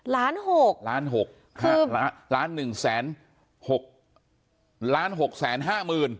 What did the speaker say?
ล้านหกคือล้านหนึ่งแสนหกล้านหกแสนห้าหมื่น